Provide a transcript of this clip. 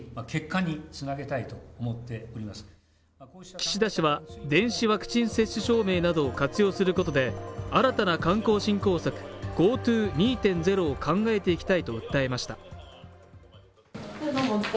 岸田氏は電子ワクチン接種証明などを活用することで、新たな観光振興策ＧｏＴｏ２．０を考えていきたいと訴えました。